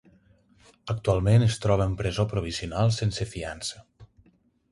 Actualment es troba en presó provisional sense fiança.